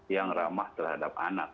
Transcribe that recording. yang ramah terhadap anak